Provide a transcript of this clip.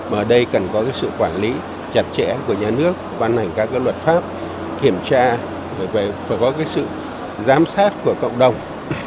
mà ở đây cần có cái sự quản lý chặt chẽ của nhà nước văn hành các cái luật pháp kiểm tra phải có cái sự giám sát của cộng đồng